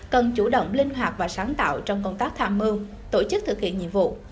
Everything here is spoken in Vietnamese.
cần chủ động linh hoạt và sáng tạo trong công tác tham mưu tổ chức thực hiện nhiệm vụ